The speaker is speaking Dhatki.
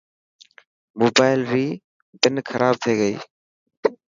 موبائل ري پن کراب ٿي گئي.